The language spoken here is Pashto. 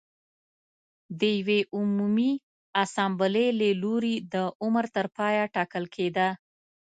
د یوې عمومي اسامبلې له لوري د عمر تر پایه ټاکل کېده